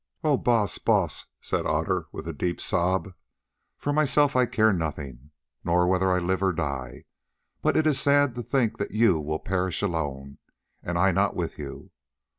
"Oh! Baas, Baas," said Otter with a deep sob, "for myself I care nothing, nor whether I live or die, but it is sad to think that you will perish alone, and I not with you.